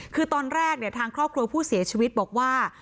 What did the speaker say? คือตอนแรกเนี่ยทางครอบครัวผู้เสียชีวิตบอกว่า